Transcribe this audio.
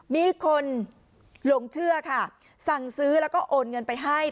มีคนหลงเชื่อค่ะสั่งซื้อแล้วก็โอนเงินไปให้